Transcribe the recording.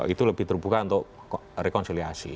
itu lebih terbuka untuk rekonsiliasi